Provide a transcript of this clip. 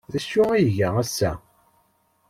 D acu ay iga ass-a?